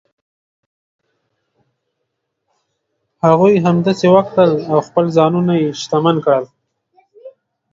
هغوی همداسې وکړل او خپل ځانونه شتمن کړل.